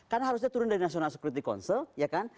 karena harusnya turun dari national security council ya kan